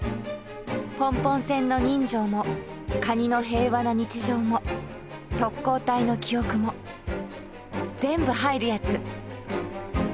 ポンポン船の人情もカニの平和な日常も特攻隊の記憶も全部はいるやつ。